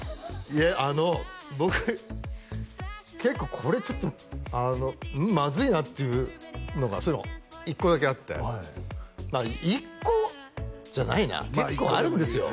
いえあの僕結構これちょっとまずいなっていうのがそういえば１個だけあって１個じゃないな結構あるんですよ